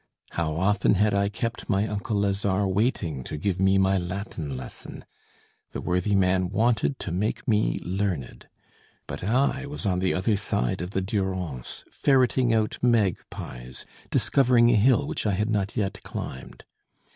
How often had I kept my uncle Lazare waiting to give me my Latin lesson! The worthy man wanted to make me learned. But I was on the other side of the Durance, ferreting out magpies, discovering a hill which I had not yet climbed.